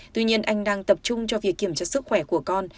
tuy nhiên anh đang tập trung cho việc kiểm tra sức khỏe của con